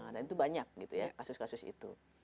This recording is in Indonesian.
dan itu banyak kasus kasus itu